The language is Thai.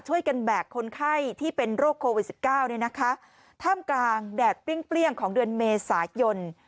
แบกคนไข้ที่เป็นโรคโควิดสิบเก้าเนี่ยนะคะท่ามกลางแดดเปรี้ยงของเดือนเมษายน